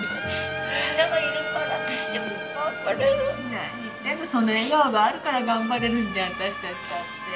何言ってんのその笑顔があるから頑張れるんじゃん私たちだって。